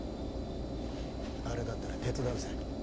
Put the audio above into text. あれだったら手伝うぜ。